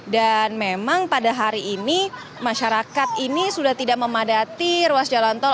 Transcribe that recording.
dan memang pada hari ini masyarakat ini sudah tidak memadati ruas jalan tol